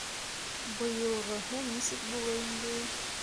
Быйылғыһы нисек булыр инде...